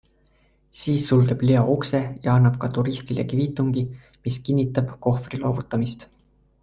Siis sulgeb Leo ukse ja annab ka turistile kviitungi, mis kinnitab kohvri loovutamist.